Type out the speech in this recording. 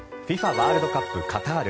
ワールドカップカタール。